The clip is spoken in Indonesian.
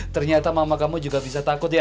ternyata mama kamu juga bisa takut ya